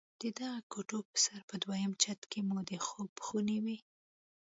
د دغو کوټو پر سر په دويم چت کښې مو د خوب خونې وې.